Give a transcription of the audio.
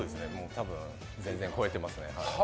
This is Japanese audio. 多分、全然超えてますね。